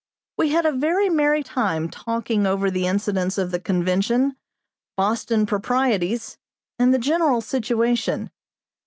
We had a very merry time talking over the incidents of the convention, Boston proprieties, and the general situation.